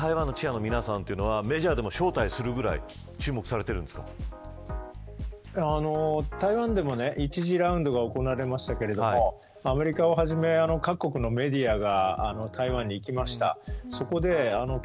小林さん、何で台湾のチアの皆さんは、メジャーに招待されるぐらい注目されて台湾でも１次ラウンドが行われましたがアメリカをはじめ各国のメディアが台湾に行きました。